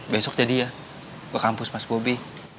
besok jadi ya ke kampus mas bobi